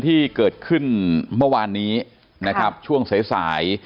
ที่เกิดขึ้นเมื่อวันนี้ช่วงสาย